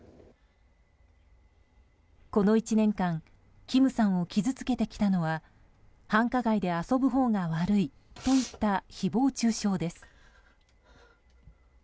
この１年間キムさんを傷つけてきたのは繁華街で遊ぶほうが悪いといった誹謗中傷です。